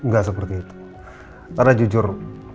enggak seperti itu karena jujur